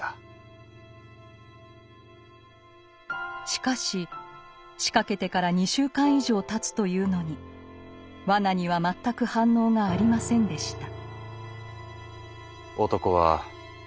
しかし仕掛けてから２週間以上たつというのに罠には全く反応がありませんでした。